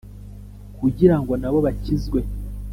Kugira ngo na bo bakizwe